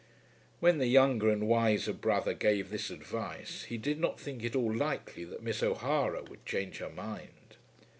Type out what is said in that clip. When the younger and wiser brother gave this advice he did not think it all likely that Miss O'Hara would change her mind.